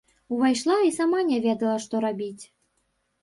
Увайшла і сама не ведала, што рабіць.